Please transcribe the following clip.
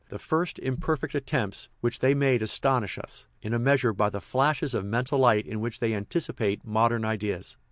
The first imperfect attempts which they made astonish us, in a measure, by the flashes of mental light in which they anticipate modern ideas.